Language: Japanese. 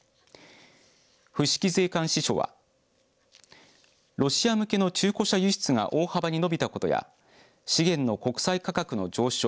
伏木税関支署はロシア向けの中古車輸出が大幅に伸びたことや資源の国際価格の上昇